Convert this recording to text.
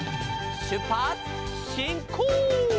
「しゅっぱつしんこう！」